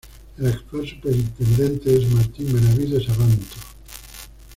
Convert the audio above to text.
El actual superintendente es Martín Benavides Abanto.